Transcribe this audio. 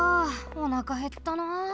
おなかへったなあ。